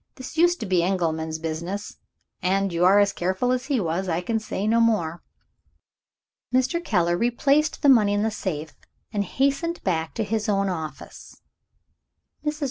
This used to be Engelman's business; and you are as careful as he was I can say no more." Mr. Keller replaced the money in the safe, and hastened back to his own office. Mrs.